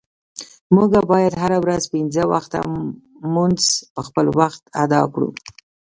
مونږه باید هره ورځ پنځه وخته مونز په خپل وخت اداء کړو.